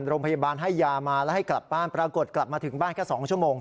โรงพยาบาลให้ยามาแล้วให้กลับบ้านปรากฏกลับมาถึงบ้านแค่๒ชั่วโมง